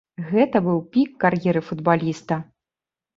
Гэта быў пік кар'еры футбаліста.